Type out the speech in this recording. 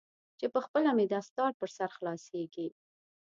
چې پخپله مې دستار پر سر خلاصیږي.